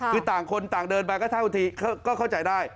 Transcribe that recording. คือต่างคนต่างเดินไปก็เท่าบางทีก็เข้าใจได้